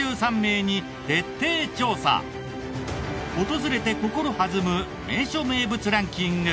訪れて心はずむ名所・名物ランキング。